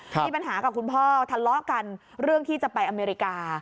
มีปัญหากับคุณพ่อทะเลาะกันเรื่องที่จะไปอเมริกา